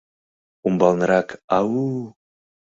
Умбалнырак «А-у!..